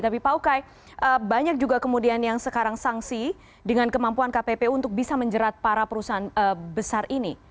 tapi pak ukay banyak juga kemudian yang sekarang sanksi dengan kemampuan kppu untuk bisa menjerat para perusahaan besar ini